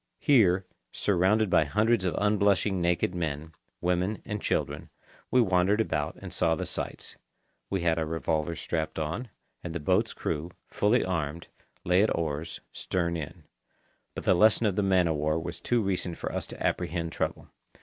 Here, surrounded by hundreds of unblushing naked men, women, and children, we wandered about and saw the sights. We had our revolvers strapped on, and the boat's crew, fully armed, lay at the oars, stern in; but the lesson of the man of war was too recent for us to apprehend trouble.